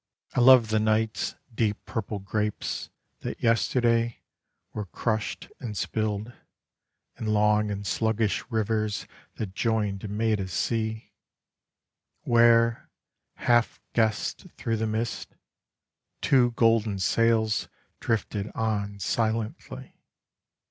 I love the night's Deep purple grapes That yesterday Were crushed and spilled, In long and sluggish rivers That joined and made a sea, Where, half guessed through the mist, Two golden sails Drifted on silently.